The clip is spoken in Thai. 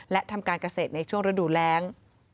และทำการเกษตรในช่วงฤดูแรง